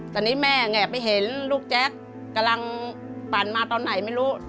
ตอนนี้แม่แงะไปเห็นลูกแจ๊คกำลังปั่นมาตอนไหนไม่รู้